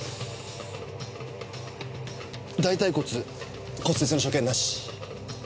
大腿骨骨折の所見なし。